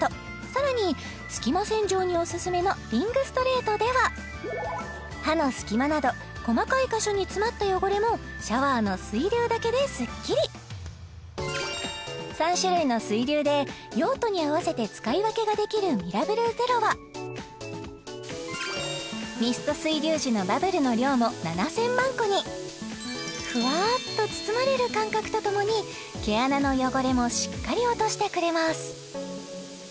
さらに隙間洗浄にオススメのリングストレートでは歯の隙間など細かい箇所に詰まった汚れもシャワーの水流だけでスッキリ３種類の水流で用途に合わせて使い分けができるミラブルｚｅｒｏはミスト水流時のバブルの量も７０００万個にふわっと包まれる感覚とともに毛穴の汚れもしっかり落としてくれます